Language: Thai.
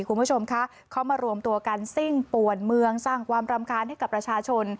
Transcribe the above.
คุณผู้ชมคะเขามารวมตัวกันซิ่งป่วนเมืองสร้างความรำคาญให้กับประชาชน